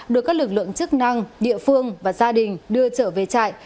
được các lực lượng chức năng địa phương và gia đình đưa trở về trại